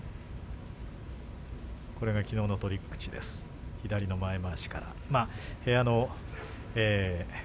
きのうの取り口ですが左の前まわしから。